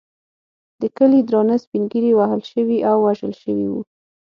د کلي درانه سپین ږیري وهل شوي او وژل شوي وو.